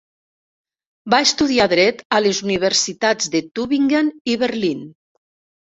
Va estudiar Dret a les universitats de Tübingen i Berlín.